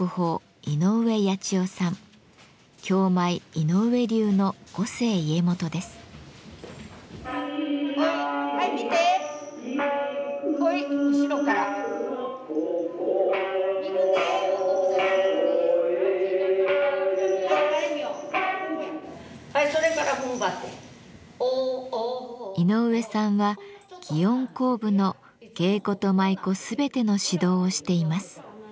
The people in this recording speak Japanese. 井上さんは園甲部の芸妓と舞妓全ての指導をしています。